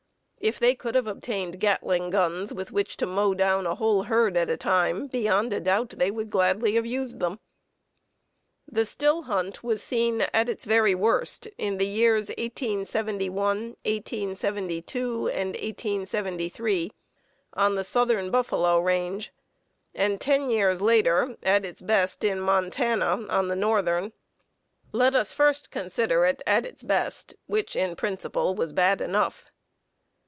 If they could have obtained Gatling guns with which to mow down a whole herd at a time, beyond a doubt they would have gladly used them. The still hunt was seen at its very worst in the years 1871, 1872, and 1873, on the southern buffalo range, and ten years later at its best in Montana, on the northern. Let us first consider it at its best, which in principle was bad enough.